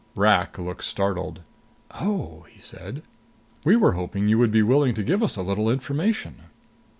Rak looked startled. "Oh!" he said. "We were hoping you would be willing to give us a little information."